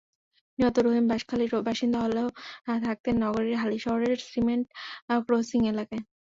নিহত রহিম বাঁশখালীর বাসিন্দা হলেও থাকতেন নগরের হালিশহরের সিমেন্ট ক্রসিং এলাকায়।